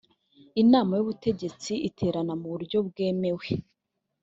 inama y ubutegetsi iterana mu buryo bwemewe